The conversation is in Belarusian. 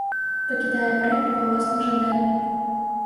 Пакідае праект па ўласным жаданні.